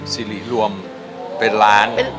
สิริรวมเป็นล้าน